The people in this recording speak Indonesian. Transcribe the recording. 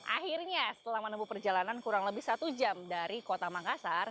akhirnya setelah menempuh perjalanan kurang lebih satu jam dari kota makassar